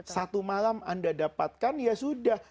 satu malam anda dapatkan ya sudah